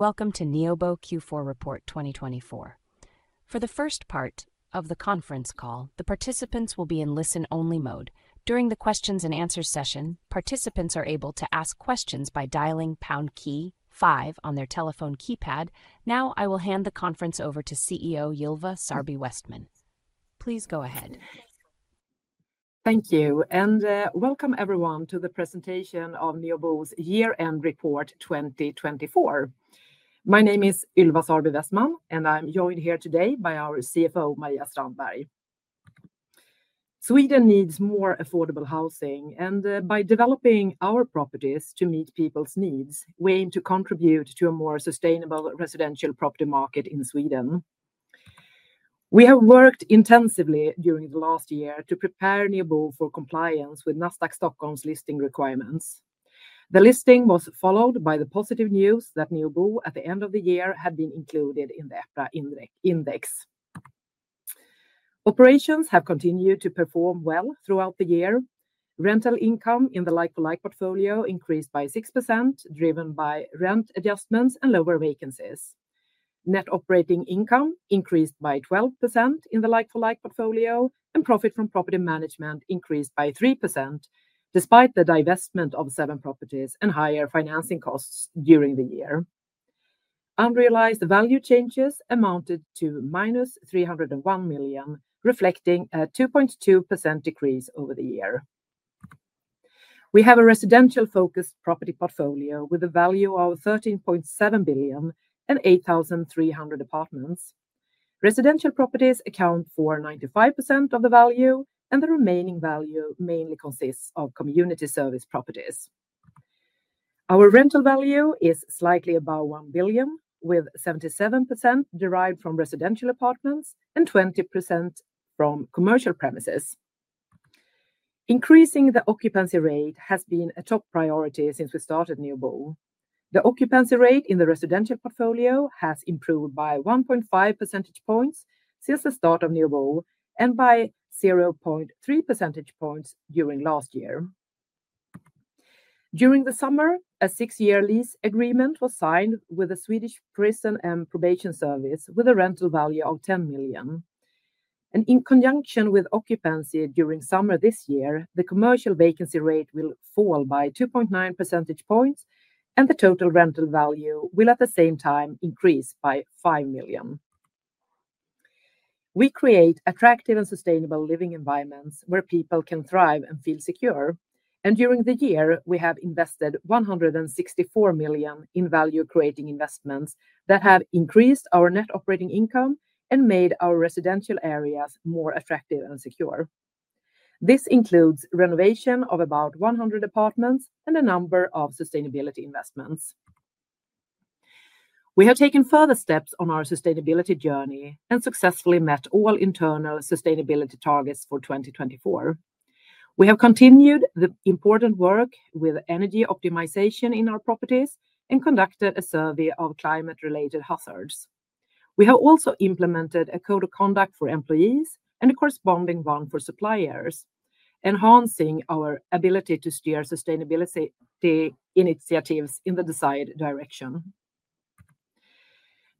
Welcome to Neobo Q4 Report 2024. For the first part of the conference call, the participants will be in listen-only mode. During the Q&A session, participants are able to ask questions by dialing key 5 on their telephone keypad. Now, I will hand the conference over to CEO Ylva Sarby Westman. Please go ahead. Thank you, and welcome everyone to the presentation of Neobo's Year-End Report 2024. My name is Ylva Sarby Westman, and I'm joined here today by our CFO, Maria Strandbeg. Sweden needs more affordable housing, and by developing our properties to meet people's needs, we aim to contribute to a more sustainable residential property market in Sweden. We have worked intensively during the last year to prepare Neobo for compliance with Nasdaq Stockholm's listing requirements. The listing was followed by the positive news that Neobo, at the end of the year, had been included in the EPRA index. Operations have continued to perform well throughout the year. Rental income in the like-for-like portfolio increased by 6%, driven by rent adjustments and lower vacancies. Net operating income increased by 12% in the like-for-like portfolio, and profit from property management increased by 3%, despite the divestment of seven properties and higher financing costs during the year. Unrealized value changes amounted to minus 301 million, reflecting a 2.2% decrease over the year. We have a residential-focused property portfolio with a value of 13.7 billion and 8,300 apartments. Residential properties account for 95% of the value, and the remaining value mainly consists of community service properties. Our rental value is slightly above 1 billion, with 77% derived from residential apartments and 20% from commercial premises. Increasing the occupancy rate has been a top priority since we started Neobo. The occupancy rate in the residential portfolio has improved by 1.5 percentage points since the start of Neobo and by 0.3 percentage points during last year. During the summer, a six-year lease agreement was signed with the Swedish Prison and Probation Service, with a rental value of 10 million. In conjunction with occupancy during summer this year, the commercial vacancy rate will fall by 2.9 percentage points, and the total rental value will at the same time increase by 5 million. We create attractive and sustainable living environments where people can thrive and feel secure, and during the year, we have invested 164 million in value-creating investments that have increased our net operating income and made our residential areas more attractive and secure. This includes renovation of about 100 apartments and a number of sustainability investments. We have taken further steps on our sustainability journey and successfully met all internal sustainability targets for 2024. We have continued the important work with energy optimization in our properties and conducted a survey of climate-related hazards. We have also implemented a code of conduct for employees and a corresponding one for suppliers, enhancing our ability to steer sustainability initiatives in the desired direction.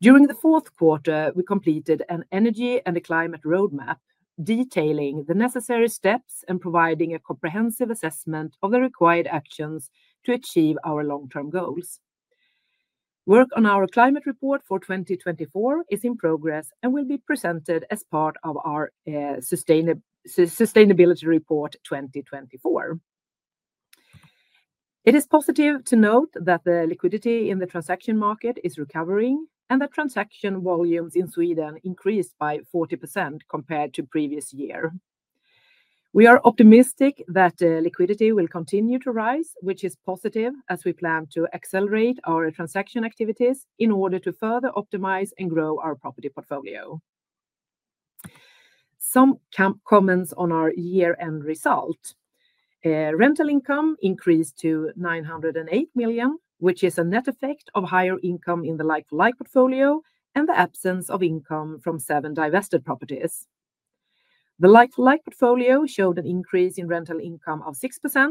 During the fourth quarter, we completed an energy and climate roadmap, detailing the necessary steps and providing a comprehensive assessment of the required actions to achieve our long-term goals. Work on our climate report for 2024 is in progress and will be presented as part of our Sustainability Report 2024. It is positive to note that the liquidity in the transaction market is recovering and that transaction volumes in Sweden increased by 40% compared to the previous year. We are optimistic that liquidity will continue to rise, which is positive as we plan to accelerate our transaction activities in order to further optimize and grow our property portfolio. Some comments on our year-end result: rental income increased to 908 million, which is a net effect of higher income in the like-for-like portfolio and the absence of income from seven divested properties. The like-for-like portfolio showed an increase in rental income of 6%,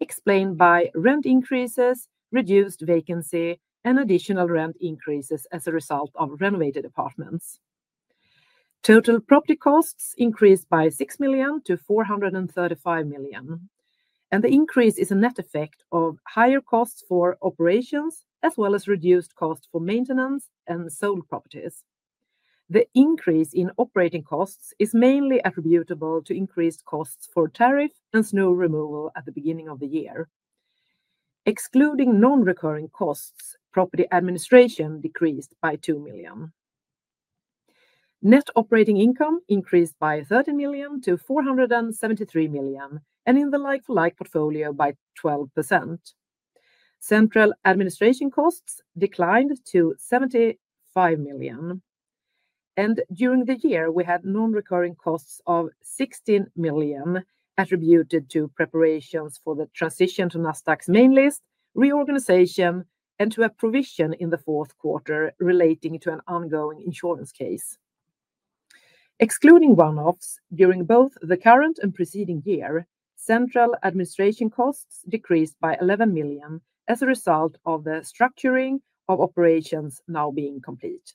explained by rent increases, reduced vacancy, and additional rent increases as a result of renovated apartments. Total property costs increased by 6 million-435 million, and the increase is a net effect of higher costs for operations as well as reduced costs for maintenance and sold properties. The increase in operating costs is mainly attributable to increased costs for tariff and snow removal at the beginning of the year. Excluding non-recurring costs, property administration decreased by 2 million. Net operating income increased by 30 million-473 million and in the like-for-like portfolio by 12%. Central administration costs declined to 75 million. During the year, we had non-recurring costs of 16 million attributed to preparations for the transition to Nasdaq's main list, reorganization, and to a provision in the fourth quarter relating to an ongoing insurance case. Excluding one-offs during both the current and preceding year, central administration costs decreased by 11 million as a result of the structuring of operations now being complete.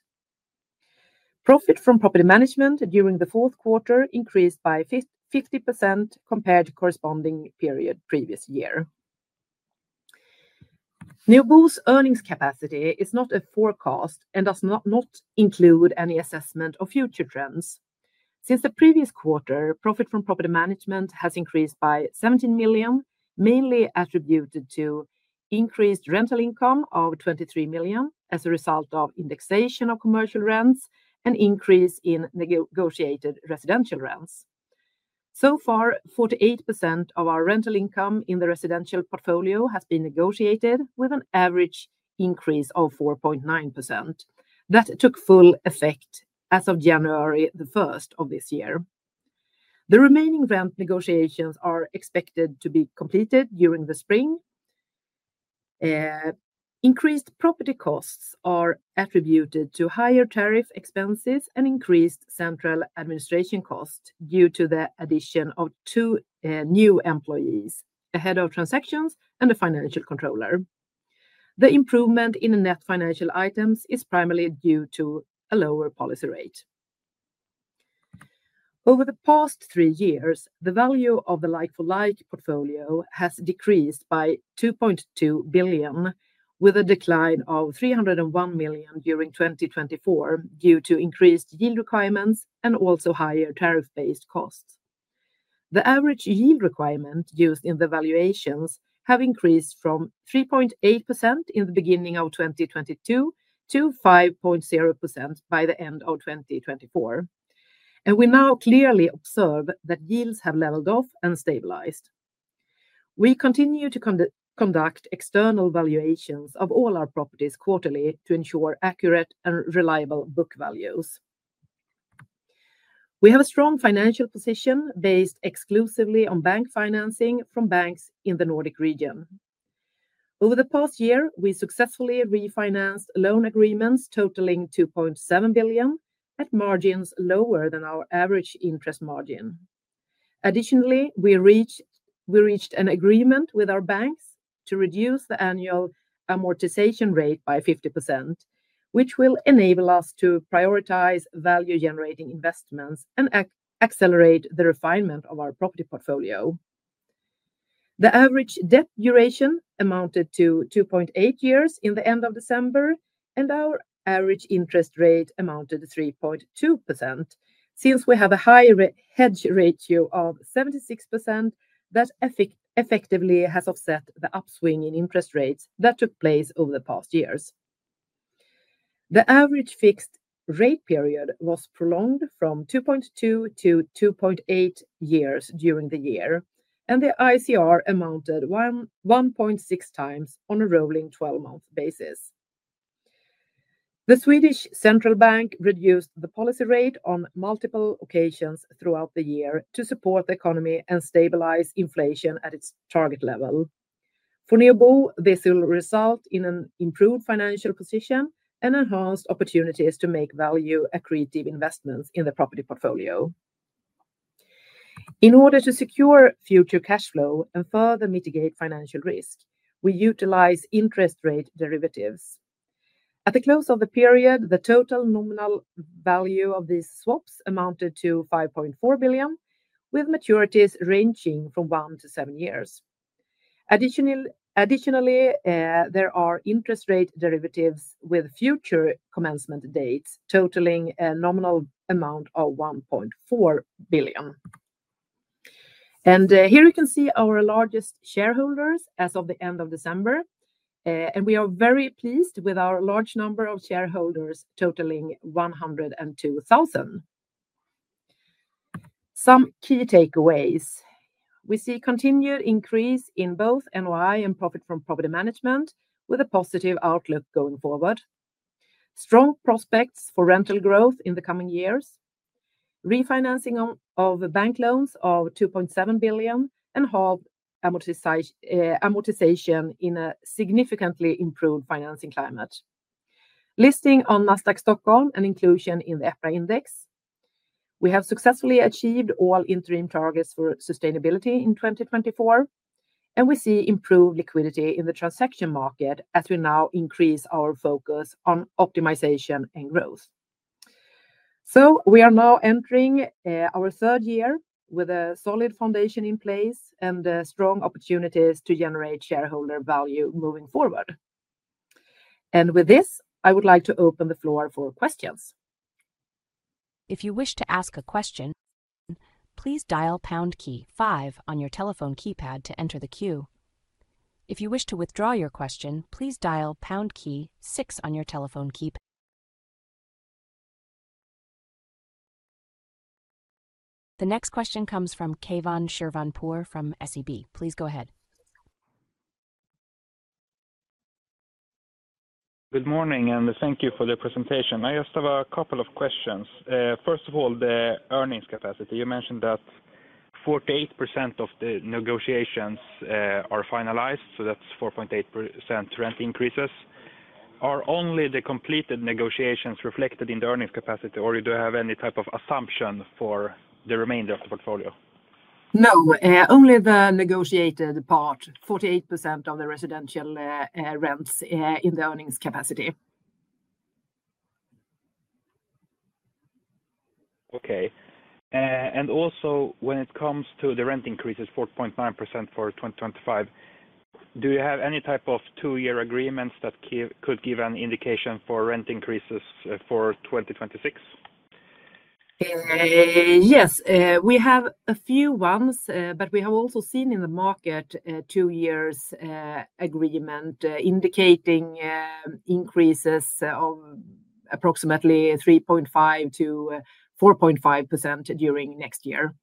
Profit from property management during the fourth quarter increased by 50% compared to the corresponding period previous year. Neobo's earnings capacity is not a forecast and does not include any assessment of future trends. Since the previous quarter, profit from property management has increased by 17 million, mainly attributed to increased rental income of 23 million as a result of indexation of commercial rents and increase in negotiated residential rents. So far, 48% of our rental income in the residential portfolio has been negotiated, with an average increase of 4.9%. That took full effect as of January 1st of this year. The remaining rent negotiations are expected to be completed during the spring. Increased property costs are attributed to higher tariff expenses and increased central administration costs due to the addition of two new employees, a head of transactions and a financial controller. The improvement in net financial items is primarily due to a lower policy rate. Over the past three years, the value of the like-for-like portfolio has decreased by 2.2 billion, with a decline of 301 million during 2024 due to increased yield requirements and also higher tariff-based costs. The average yield requirement used in the valuations has increased from 3.8% in the beginning of 2022 to 5.0% by the end of 2024. We now clearly observe that yields have leveled off and stabilized. We continue to conduct external valuations of all our properties quarterly to ensure accurate and reliable book values. We have a strong financial position based exclusively on bank financing from banks in the Nordic region. Over the past year, we successfully refinanced loan agreements totaling 2.7 billion at margins lower than our average interest margin. Additionally, we reached an agreement with our banks to reduce the annual amortization rate by 50%, which will enable us to prioritize value-generating investments and accelerate the refinement of our property portfolio. The average debt duration amounted to 2.8 years at the end of December, and our average interest rate amounted to 3.2%. Since we have a higher hedge ratio of 76%, that effectively has offset the upswing in interest rates that took place over the past years. The average fixed rate period was prolonged from 2.2 years-2.8 years during the year, and the ICR amounted to 1.6x on a rolling 12-month basis. The Swedish central bank reduced the policy rate on multiple occasions throughout the year to support the economy and stabilize inflation at its target level. For Neobo, this will result in an improved financial position and enhanced opportunities to make value-accretive investments in the property portfolio. In order to secure future cash flow and further mitigate financial risk, we utilize interest rate derivatives. At the close of the period, the total nominal value of these swaps amounted to 5.4 billion, with maturities ranging from 1 year-7 years. Additionally, there are interest rate derivatives with future commencement dates totaling a nominal amount of 1.4 billion. Here you can see our largest shareholders as of the end of December, and we are very pleased with our large number of shareholders totaling 102,000. Some key takeaways: we see a continued increase in both NOI and profit from property management, with a positive outlook going forward. Strong prospects for rental growth in the coming years. Refinancing of bank loans of 2.7 billion and halved amortization in a significantly improved financing climate. Listing on Nasdaq Stockholm and inclusion in the EPRA index. We have successfully achieved all interim targets for sustainability in 2024, and we see improved liquidity in the transaction market as we now increase our focus on optimization and growth. We are now entering our third year with a solid foundation in place and strong opportunities to generate shareholder value moving forward. With this, I would like to open the floor for questions. If you wish to ask a question, please dial pound key 5 on your telephone keypad to enter the queue. If you wish to withdraw your question, please dial pound key 6 on your telephone keypad. The next question comes from Keivan Shirvanpour from SEB. Please go ahead. Good morning, and thank you for the presentation. I just have a couple of questions. First of all, the earnings capacity. You mentioned that 48% of the negotiations are finalized, so that's 4.8% rent increases. Are only the completed negotiations reflected in the earnings capacity, or do you have any type of assumption for the remainder of the portfolio? No, only the negotiated part, 48% of the residential rents in the earnings capacity. Okay. Also, when it comes to the rent increases, 4.9% for 2025, do you have any type of two-year agreements that could give an indication for rent increases for 2026? Yes, we have a few ones, but we have also seen in the market a two-year agreement indicating increases of approximately 3.5%-4.5% during next year,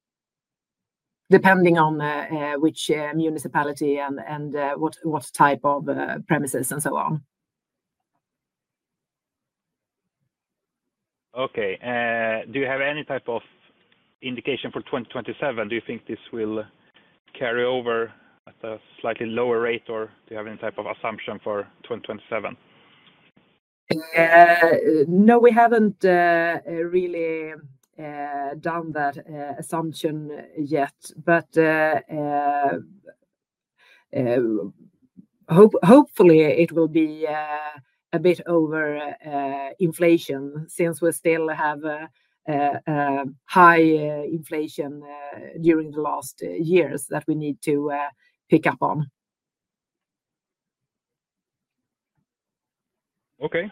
depending on which municipality and what type of premises and so on. Okay. Do you have any type of indication for 2027? Do you think this will carry over at a slightly lower rate, or do you have any type of assumption for 2027? No, we have not really done that assumption yet, but hopefully it will be a bit over inflation since we still have high inflation during the last years that we need to pick up on. Okay.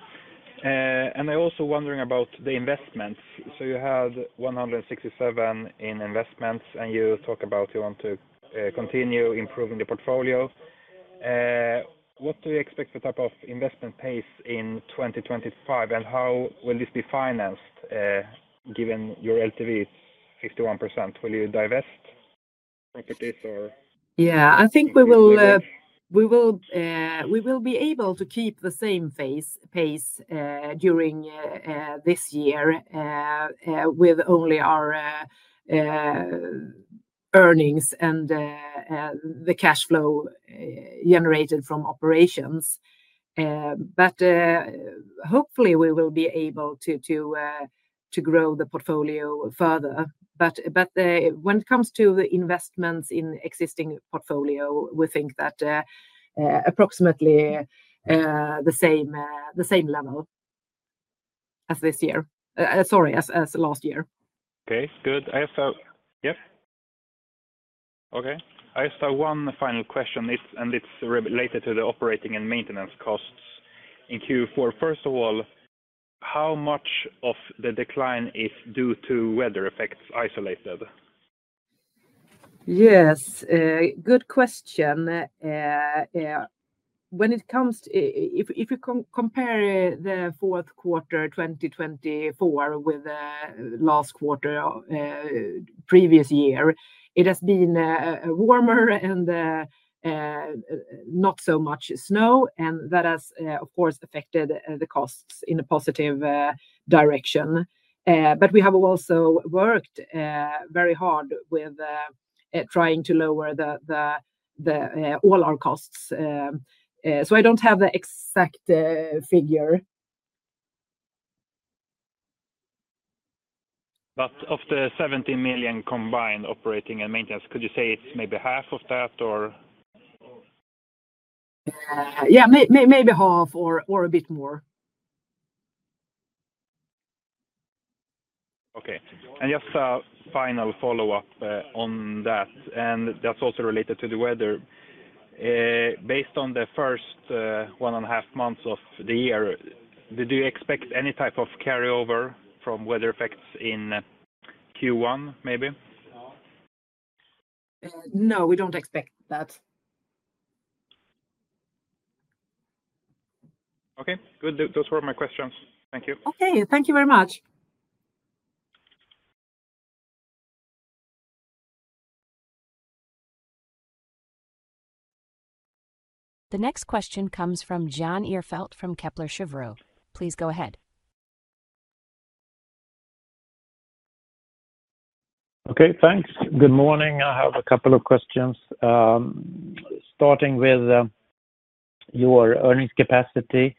I am also wondering about the investments. You had 167 million in investments, and you talk about you want to continue improving the portfolio. What do you expect for the type of investment pace in 2025, and how will this be financed given your LTV is 51%? Will you divest properties, or? I think we will be able to keep the same pace during this year with only our earnings and the cash flow generated from operations. Hopefully we will be able to grow the portfolio further. When it comes to the investments in the existing portfolio, we think that approximately the same level as this year, sorry, as last year. Okay, good. I have a, yep. Okay. I have one final question, and it is related to the operating and maintenance costs in Q4. First of all, how much of the decline is due to weather effects isolated? Yes, good question. When it comes to, if you compare the fourth quarter 2024 with the last quarter previous year, it has been warmer and not so much snow, and that has, of course, affected the costs in a positive direction. We have also worked very hard with trying to lower all our costs. I don't have the exact figure. Of the 17 million combined operating and maintenance, could you say it's maybe half of that, or? Yeah, maybe half or a bit more. Okay. Just a final follow-up on that, and that's also related to the weather. Based on the first one and a half months of the year, did you expect any type of carryover from weather effects in Q1, maybe? No, we don't expect that. Okay, good. Those were my questions. Thank you. Okay, thank you very much. The next question comes from Jan Ihrfelt from Kepler Cheuvreux. Please go ahead. Okay, thanks. Good morning. I have a couple of questions. Starting with your earnings capacity,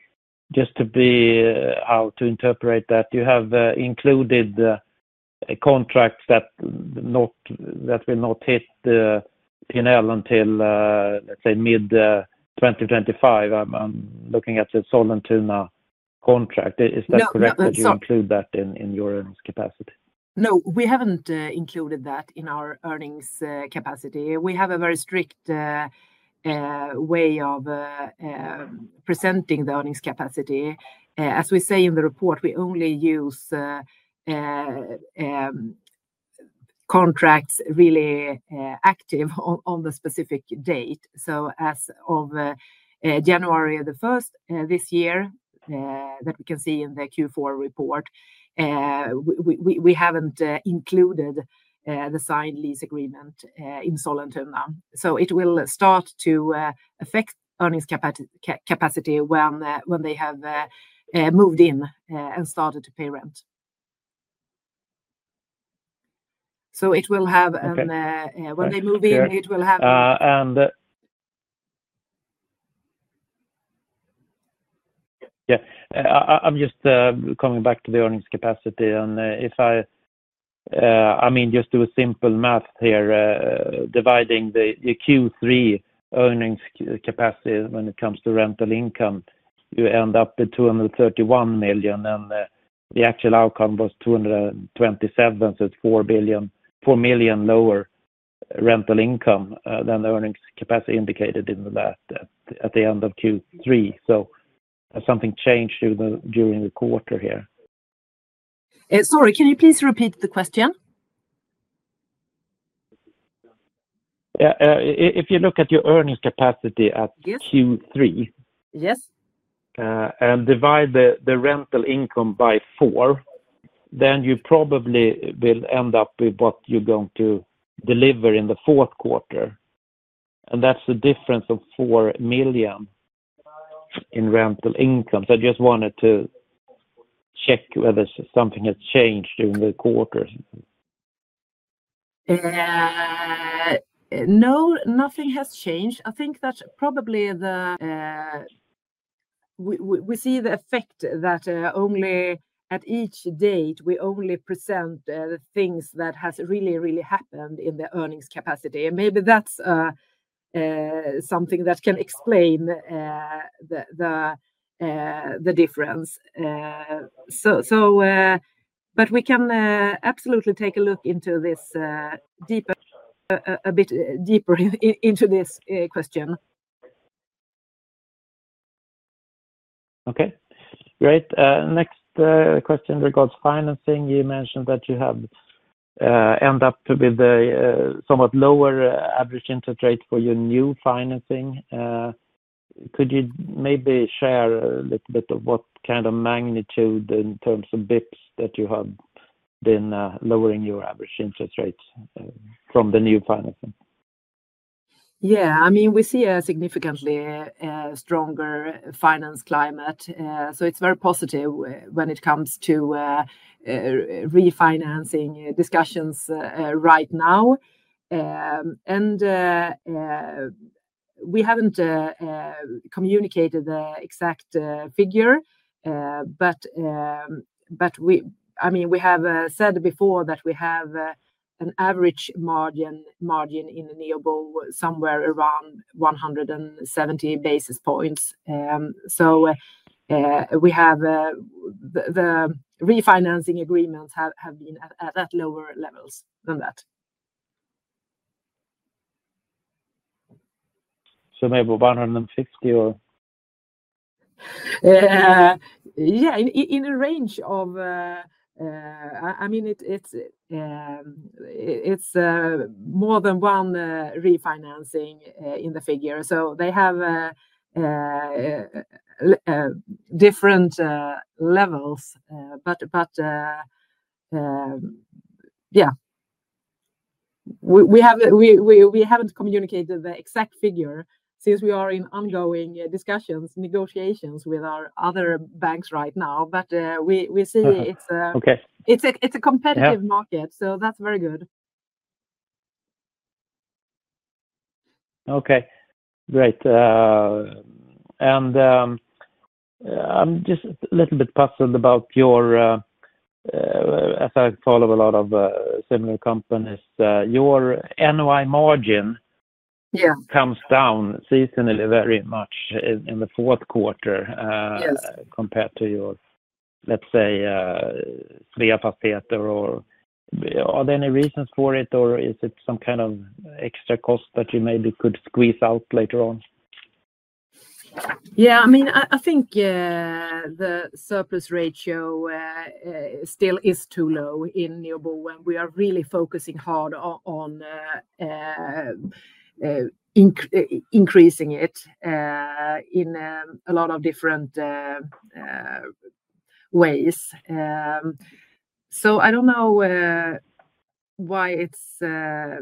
just to be how to interpret that. You have included a contract that will not hit the panel until, let's say, mid-2025. I'm looking at the Sollentuna contract. Is that correct that you include that in your earnings capacity? No, we haven't included that in our earnings capacity. We have a very strict way of presenting the earnings capacity. As we say in the report, we only use contracts really active on the specific date. As of January the 1st this year, that we can see in the Q4 report, we haven't included the signed lease agreement in Sollentuna. It will start to affect earnings capacity when they have moved in and started to pay rent. It will have an, when they move in, it will have. Yeah, I'm just coming back to the earnings capacity. If I, I mean, just do a simple math here, dividing the Q3 earnings capacity when it comes to rental income, you end up with 231 million, and the actual outcome was 227 million, so it's 4 million lower rental income than the earnings capacity indicated at the end of Q3. Something changed during the quarter here. Sorry, can you please repeat the question? If you look at your earnings capacity at Q3. Yes. Divide the rental income by four, then you probably will end up with what you're going to deliver in the fourth quarter. That's a difference of 4 million in rental income. I just wanted to check whether something has changed during the quarter? No, nothing has changed. I think that probably we see the effect that only at each date, we only present the things that have really, really happened in the earnings capacity. Maybe that's something that can explain the difference. We can absolutely take a look into this deeper, a bit deeper into this question. Okay, great. Next question regards financing. You mentioned that you have ended up with a somewhat lower average interest rate for your new financing. Could you maybe share a little bit of what kind of magnitude in terms of basis points that you have been lowering your average interest rate from the new financing? Yeah, I mean, we see a significantly stronger finance climate. It is very positive when it comes to refinancing discussions right now. We have not communicated the exact figure, but I mean, we have said before that we have an average margin in Neobo somewhere around 170 basis points. We have the refinancing agreements at lower levels than that. So maybe 150 or? Yeah, in a range of, I mean, it is more than one refinancing in the figure, so they have different levels, but yeah. We have not communicated the exact figure since we are in ongoing discussions, negotiations with our other banks right now, but we see it is a competitive market. That is very good. Okay, great. I'm just a little bit puzzled about your, as I follow a lot of similar companies, your NOI margin comes down seasonally very much in the fourth quarter compared to your, let's say, three capacity or are there any reasons for it, or is it some kind of extra cost that you maybe could squeeze out later on? Yeah, I mean, I think the surplus ratio still is too low in Neobo, and we are really focusing hard on increasing it in a lot of different ways. I don't know why it's, I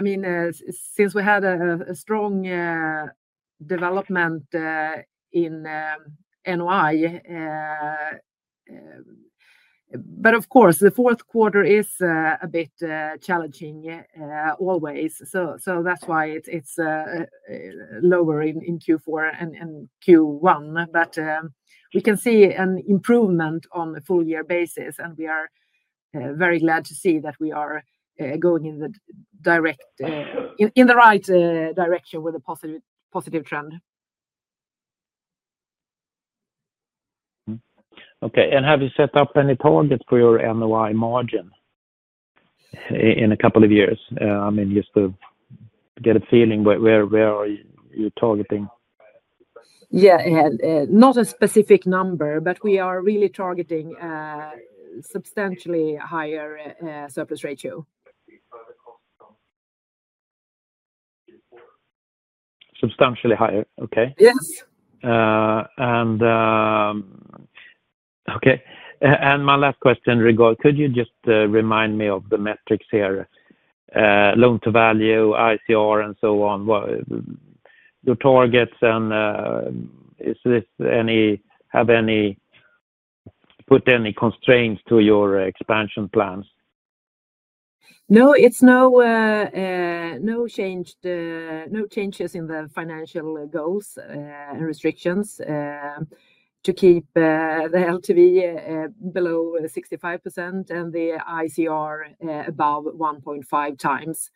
mean, since we had a strong development in NOI. Of course, the fourth quarter is a bit challenging always. That's why it's lower in Q4 and Q1, but we can see an improvement on a full-year basis, and we are very glad to see that we are going in the right direction with a positive trend. Okay, and have you set up any targets for your NOI margin in a couple of years? I mean, just to get a feeling, where are you targeting? Yeah, not a specific number, but we are really targeting substantially higher surplus ratio. Substantially higher. Okay. Yes. Okay. And my last question regards, could you just remind me of the metrics here? Loan to value, ICR, and so on. Your targets, and does this have any constraints to your expansion plans? No, there are no changes in the financial goals and restrictions to keep the LTV below 65% and the ICR above 1.5x.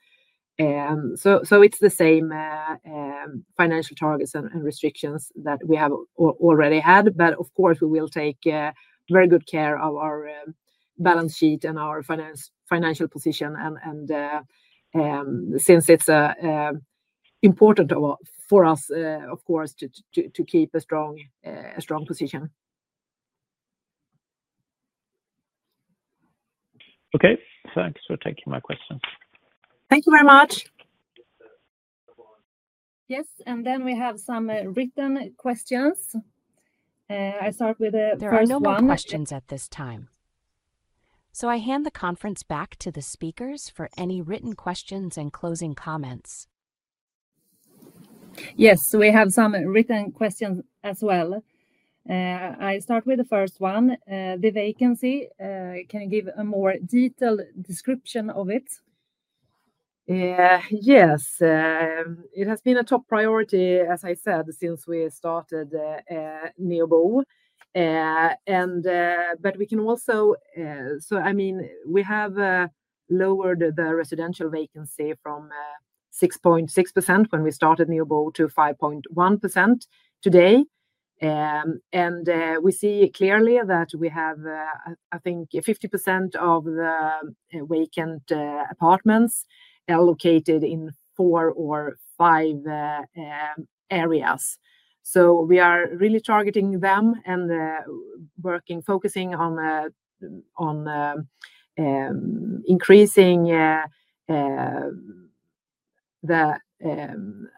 It is the same financial targets and restrictions that we have already had, but of course, we will take very good care of our balance sheet and our financial position. Since it is important for us, of course, to keep a strong position. Okay, thanks for taking my questions. Thank you very much. Yes, and then we have some written questions. I start with the first one. There are no questions at this time. I hand the conference back to the speakers for any written questions and closing comments. Yes, we have some written questions as well. I start with the first one. The vacancy, can you give a more detailed description of it? Yes, it has been a top priority, as I said, since we started Neobo. We can also, I mean, we have lowered the residential vacancy from 6.6% when we started Neobo to 5.1% today. We see clearly that we have, I think, 50% of the vacant apartments located in four or five areas. We are really targeting them and focusing on increasing the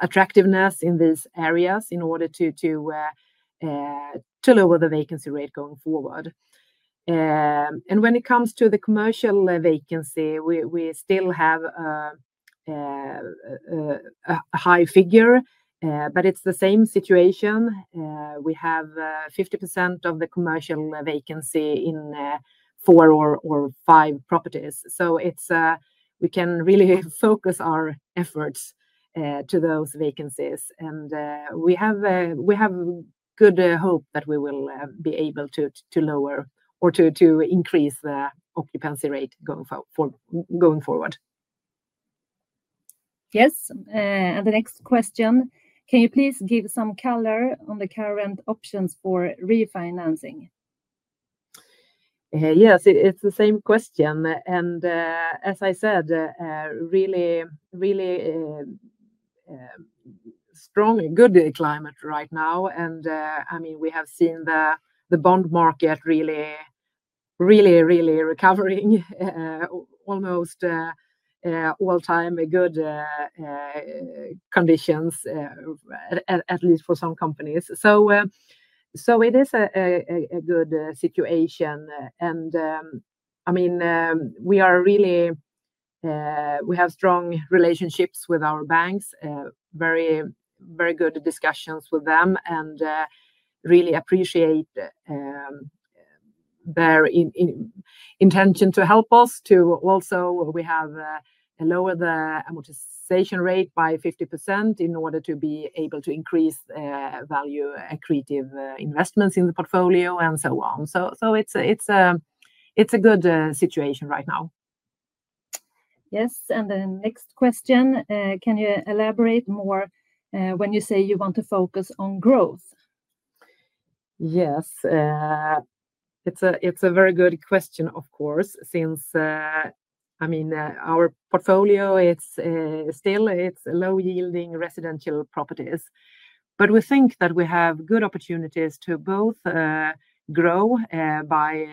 attractiveness in these areas in order to lower the vacancy rate going forward. When it comes to the commercial vacancy, we still have a high figure, but it is the same situation. We have 50% of the commercial vacancy in four or five properties. We can really focus our efforts to those vacancies. We have good hope that we will be able to lower or to increase the occupancy rate going forward. Yes, and the next question, can you please give some color on the current options for refinancing? Yes, it's the same question. As I said, really, really strong, good climate right now. I mean, we have seen the bond market really, really, really recovering, almost all-time good conditions, at least for some companies. It is a good situation. I mean, we are really, we have strong relationships with our banks, very, very good discussions with them, and really appreciate their intention to help us. Also, we have lowered the amortization rate by 50% in order to be able to increase value accretive investments in the portfolio and so on. It is a good situation right now. Yes, and the next question, can you elaborate more when you say you want to focus on growth? Yes, it's a very good question, of course, since I mean, our portfolio, it's still low-yielding residential properties. We think that we have good opportunities to both grow by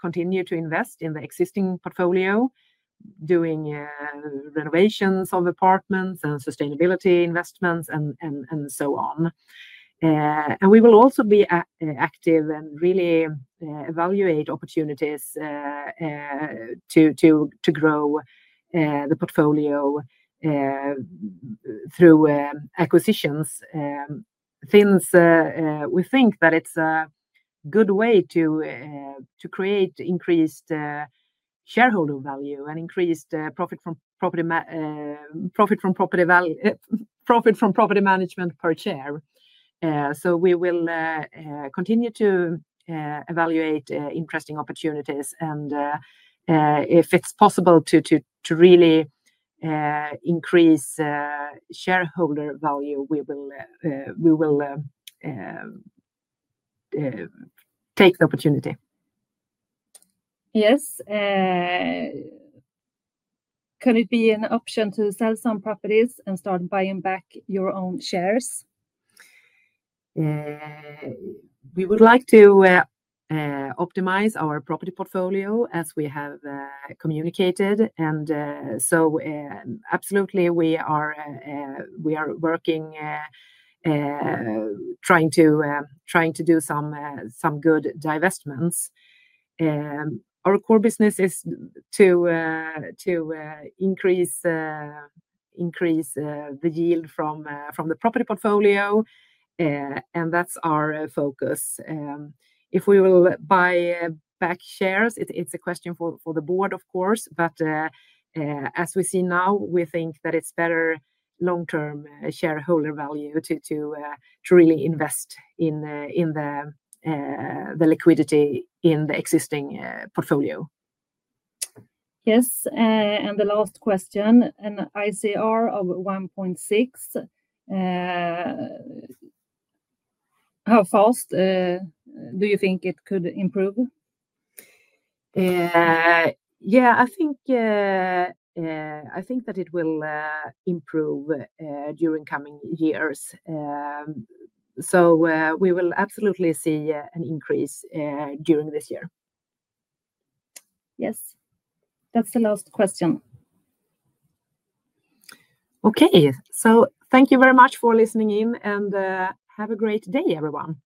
continuing to invest in the existing portfolio, doing renovations of apartments and sustainability investments and so on. We will also be active and really evaluate opportunities to grow the portfolio through acquisitions since we think that it's a good way to create increased shareholder value and increased profit from property management per share. We will continue to evaluate interesting opportunities. If it's possible to really increase shareholder value, we will take the opportunity. Yes, could it be an option to sell some properties and start buying back your own shares? We would like to optimize our property portfolio as we have communicated. Absolutely, we are working, trying to do some good divestments. Our core business is to increase the yield from the property portfolio, and that's our focus. If we will buy back shares, it's a question for the board, of course, but as we see now, we think that it's better long-term shareholder value to really invest in the liquidity in the existing portfolio. Yes, and the last question, an ICR of 1.6x, how fast do you think it could improve? Yeah, I think that it will improve during coming years. We will absolutely see an increase during this year. Yes, that's the last question. Okay, thank you very much for listening in, and have a great day, everyone.